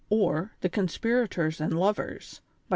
THE CO^'SPIRATOES AND LOVEES.